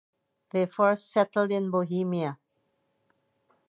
They first settled in Bohemia.